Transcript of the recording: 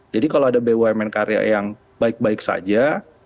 jadi kalau ada bumn karya yang baik baik saja